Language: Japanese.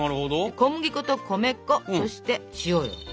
小麦粉と米粉そして塩よ。